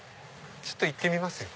ちょっと行ってみますよ。